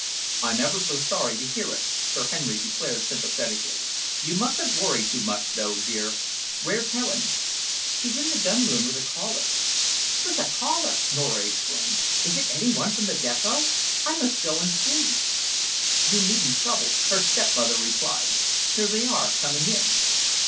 "I'm ever so sorry to hear it," Sir Henry declared sympathetically. "You mustn't worry too much, though, dear. Where's Helen?" "She is in the gun room with a caller." "With a caller?" Nora exclaimed. "Is it any one from the Depot? I must go and see." "You needn't trouble," her stepmother replied. "Here they are, coming in."